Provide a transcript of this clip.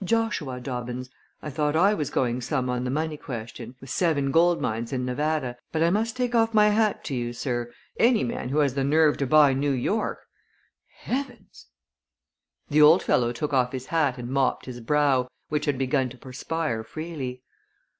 "Joshua Dobbins. I thought I was going some on the money question, with seven gold mines in Nevada, but I must take off my hat to you, sir. Any man who has the nerve to buy New York heavens!" The old fellow took off his hat and mopped his brow, which had begun to perspire freely.